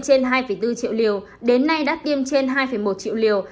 tiền giang nhận trên hai bốn triệu liều đến nay đã tiêm trên hai một triệu liều